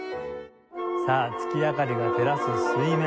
さあ月明かりが照らす水面。